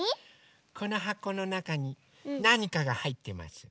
このはこのなかになにかがはいってます。